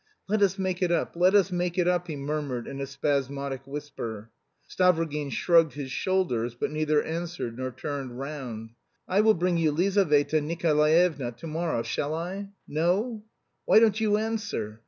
"Let us make it up; let us make it up!" he murmured in a spasmodic whisper. Stavrogin shrugged his shoulders, but neither answered nor turned round. "Listen. I will bring you Lizaveta Nikolaevna to morrow; shall I? No? Why don't you answer?